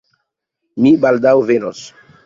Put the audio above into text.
Mi baldaŭ venos.